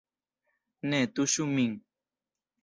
Ne tuŝu min.